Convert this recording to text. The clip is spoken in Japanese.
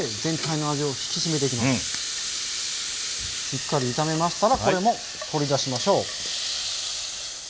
しっかり炒めましたらこれも取り出しましょう。